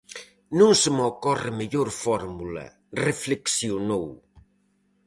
"Non se me ocorre mellor fórmula", reflexionou.